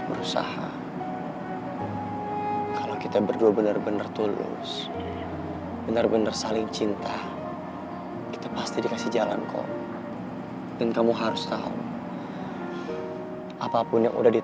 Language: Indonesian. gak akan pernah bisa dirubah rubah oleh manusia